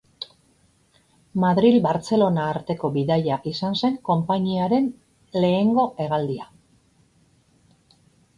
Madril-Bartzelona arteko bidaia izan zen konpainiaren lehengo hegaldia.